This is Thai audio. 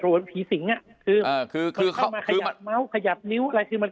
เหมือนผีสิงอ่ะคืออ่าคือคือเขามาขยับนิ้วอะไรคือมัน